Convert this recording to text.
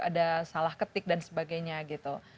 ada salah ketik dan sebagainya gitu